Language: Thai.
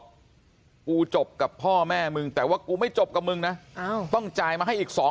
กูจบกับพ่อแม่มึงแต่ว่ากูไม่จบกับมึงนะต้องจ่ายมาให้อีก๒๐๐